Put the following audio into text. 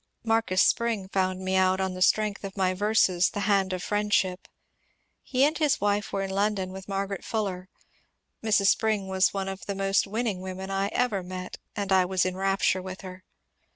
Marcus Spring found me out on the strength of my verses ^^ The Hand of Friendship." He and his wife were in London with Margaret Fuller. Mrs. Spring was one of the most win ning women I ever met, and I was in rapture with her.